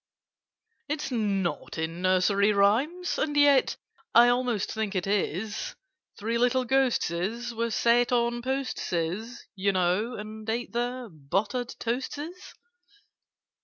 "It's not in Nursery Rhymes? And yet I almost think it is— 'Three little Ghosteses' were set 'On posteses,' you know, and ate Their 'buttered toasteses.